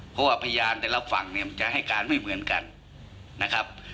เพราะว่าพยานแต่ละฝั่งเนี่ยมันจะให้การไม่เหมือนกันนะครับ